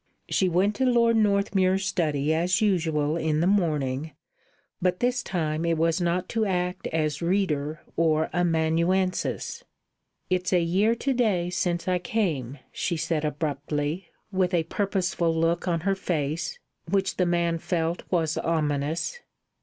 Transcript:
She went to Lord Northmuir's study as usual in the morning, but this time it was not to act as reader or amanuensis. "It's a year to day since I came," she said abruptly, with a purposeful look on her face which the man felt was ominous.